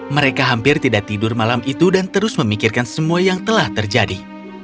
mereka hampir tidak tidur malam itu dan terus memikirkan semua yang telah terjadi